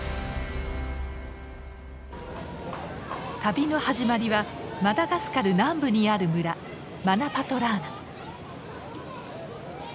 旅の始まりはマダガスカル南部にある村マナパトラーナ。